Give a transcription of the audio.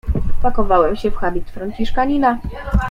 "Wpakowałem się w habit franciszkanina."